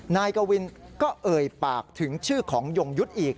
นายกวินก็เอ่ยปากถึงชื่อของยงยุทธ์อีก